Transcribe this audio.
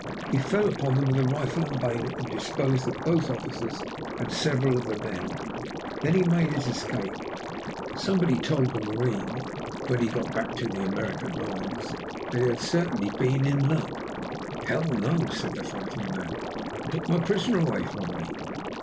He fell upon them with rifle and bayonet and disposed of both officers and several of the men. Then he made his escape. Somebody told the marine when he got back to the American lines that he certainly had been "in luck." "Hell! no," said the fighting man; "they took my prisoner away from me."